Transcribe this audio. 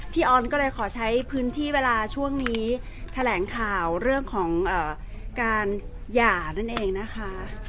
ออนก็เลยขอใช้พื้นที่เวลาช่วงนี้แถลงข่าวเรื่องของการหย่านั่นเองนะคะ